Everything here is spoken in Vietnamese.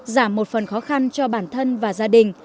giảm một phần khó khăn cho bản thân và gia đình